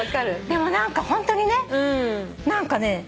でも何かホントにね何かね。